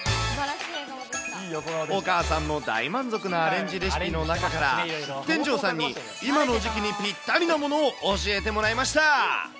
お母さんも大満足なアレンジレシピの中から、店長さんに今の時期にぴったりなものを教えてもらいました。